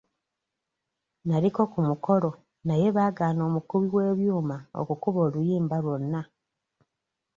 Naliko ku mukolo naye baagaana omukubi w'ebyuma okukuba oluyimba lwonna.